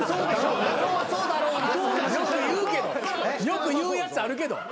よくいうやつあるけど。